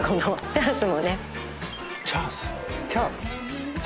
チャース？